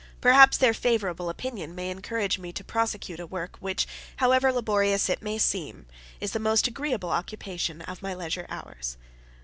Perhaps their favorable opinion may encourage me to prosecute a work, which, however laborious it may seem, is the most agreeable occupation of my leisure hours.